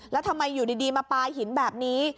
แล้วทำไมอยู่ดีมาปลาหินแบบนี้